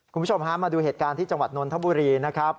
คุณผู้ชมฮะมาดูเหตุการณ์ที่จังหวัดนนทบุรีนะครับ